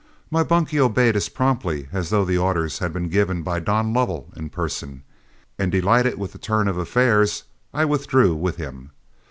My bunkie obeyed as promptly as though the orders had been given by Don Lovell in person, and, delighted with the turn of affairs, I withdrew with him.